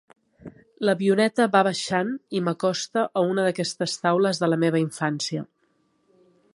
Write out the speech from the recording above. L'avioneta va baixant i m'acosta a una d'aquestes taules de la meva infància.